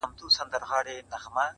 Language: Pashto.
څه یې مسجد دی څه یې آذان دی